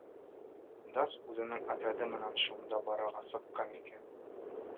Данс үҙенең отряды менән шунда барырға сыҡҡан икән.